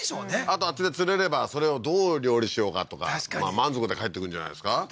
あとあっちで釣れればそれをどう料理しようかとか確かに満足で帰ってくるんじゃないですか？